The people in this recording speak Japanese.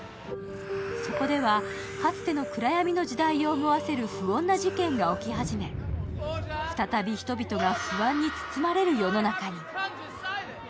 そこでは、かつての暗闇の時代を思わせる、不穏な事件が起き始め再び人々が不安に包まれる世の中に。